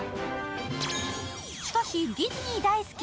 しかし、ディズニー大好き！